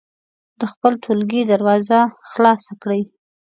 د خپل ټولګي دروازه خلاصه کړئ.